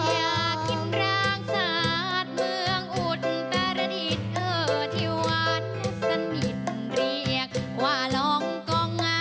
อยากกินร้างสาดเมืองอุดประดิษฐ์ที่วันสนิทเรียกว่าลองกอง